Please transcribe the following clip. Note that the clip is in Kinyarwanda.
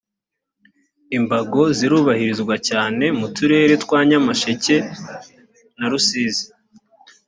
imbago zirubahirizwa cyane mu turere twa nyamasheke na rusizi